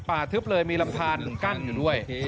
ทึบเลยมีลำพานกั้นอยู่ด้วย